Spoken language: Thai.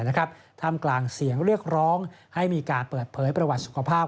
ท่ามกลางเสียงเรียกร้องให้มีการเปิดเผยประวัติสุขภาพ